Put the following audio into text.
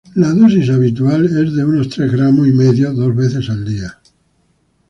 La dosis habitual es de unos tres gramos y medio dos veces al día.